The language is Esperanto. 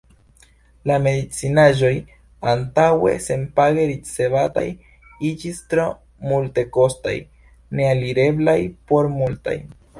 La medicinaĵoj, antaŭe senpage ricevataj, iĝis tro multekostaj, nealireblaj por multaj.